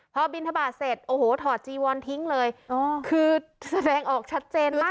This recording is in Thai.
พอบินทบาทเสร็จโอ้โหถอดจีวอนทิ้งเลยคือแสดงออกชัดเจนมาก